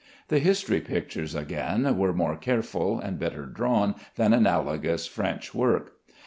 The history pictures, again, were more careful and better drawn than analogous French work.